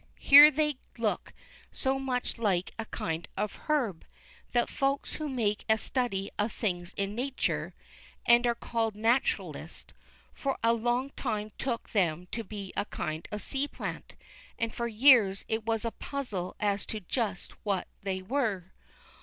Here they look so much like a kind of herb, that Folks who make a study of things in nature, and are called naturalists, for a long time took them to be a kind of sea plant, and for years it was a puzzle as to just what they were.